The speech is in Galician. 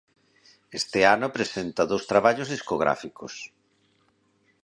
Este ano presenta dous traballos discográficos.